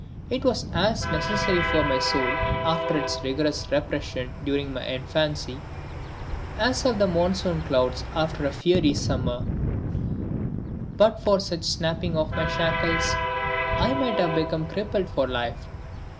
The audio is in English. It was as necessary for my soul after its rigorous repression during my infancy as are the monsoon clouds after a fiery summer. But for such snapping of my shackles I might have become crippled for life.